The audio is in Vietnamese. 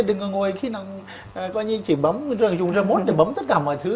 đừng có ngồi khi nào coi như chỉ bấm dùng remote để bấm tất cả mọi thứ